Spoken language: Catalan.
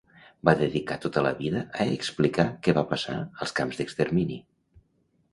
Va dedicar tota la vida a explicar què va passar als camps d'extermini.